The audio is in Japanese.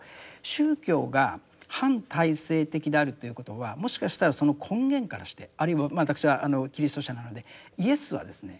宗教が反体制的であるということはもしかしたらその根源からしてあるいは私はキリスト者なのでイエスはですね